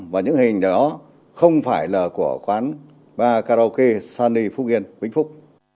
và những hình đó không phải là của quán bar karaoke sunny vĩnh phúc